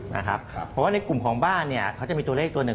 เพราะว่าในกลุ่มของบ้านเนี่ยเขาจะมีตัวเลขตัวหนึ่ง